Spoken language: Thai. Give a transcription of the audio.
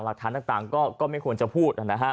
หลักฐานต่างก็ไม่ควรจะพูดนะฮะ